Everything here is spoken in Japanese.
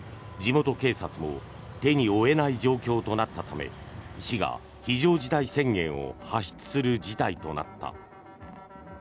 地元警察も手におえない状況となったため市が非常事態宣言を発出する事態となった。